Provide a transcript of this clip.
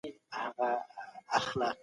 انلاين ټولګي د کورنۍ ترڅنګ زده کړه آسانه کوي.